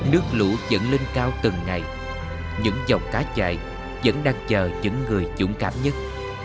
nước lũ dẫn lên cao từng ngày những dòng cá chạy vẫn đang chờ những người dũng cảm nhất